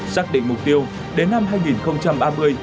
xác định mục tiêu đến năm hai nghìn ba mươi